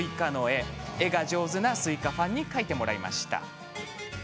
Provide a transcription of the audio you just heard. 絵が上手な「すいか」ファンに描いてもらいました。